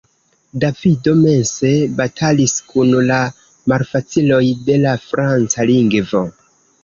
Davido mense batalis kun la malfaciloj de la Franca lingvo.